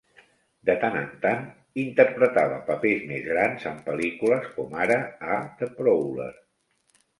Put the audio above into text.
De tant en tant interpretava papers més grans en pel·lícules, com ara a "The Prowler".